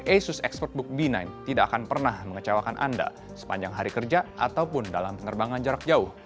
asus expertbook b sembilan tidak akan pernah mengecewakan anda sepanjang hari kerja ataupun dalam penerbangan jarak jauh